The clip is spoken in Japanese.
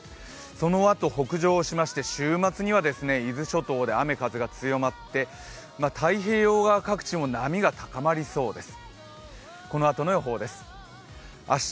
そのあと北上しまして週末には伊豆諸島で雨風が強まって、太平洋側各地も波が高まりそうです。